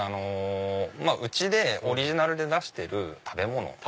うちでオリジナルで出してる食べ物。